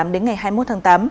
đến ngày hai mươi một tháng tám